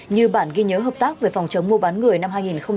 như bản ghi nhớ hợp tác về phòng chống mua bán người năm hai nghìn một mươi chín